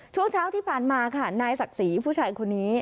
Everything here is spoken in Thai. ช่วงเช้าที่ผ่านมาค่ะนายศักดิ์ศรีผู้ชายคนนี้